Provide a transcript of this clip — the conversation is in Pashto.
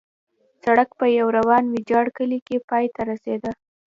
سړک په یو وران ویجاړ کلي کې پای ته رسېده.